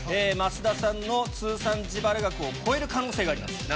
増田さんの通算自腹額を超える可能性があります。